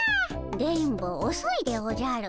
電ボおそいでおじゃる。